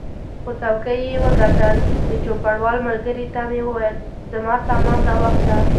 خو څوکۍ یې وګټل، د چوپړوال ملګري ته مې وویل زما سامان را واخله.